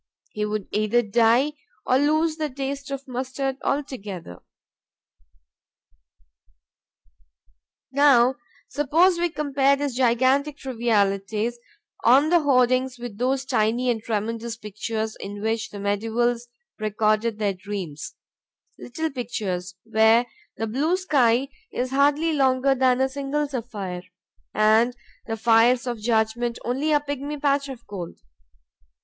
He would either die, or lose the taste of mustard altogether. Now suppose we compare these gigantic trivialities on the hoardings with those tiny and tremendous pictures in which the mediaevals recorded their dreams; little pictures where the blue sky is hardly longer than a single sapphire, and the fires of judgment only a pigmy patch of gold.